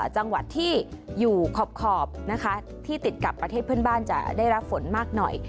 จังหวัดที่อยู่ขอบนะคะที่ติดกับประเทศเพื่อนบ้านจะได้รับฝนมากหน่อย